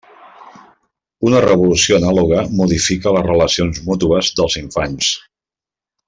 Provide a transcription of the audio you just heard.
Una revolució anàloga modifica les relacions mútues dels infants.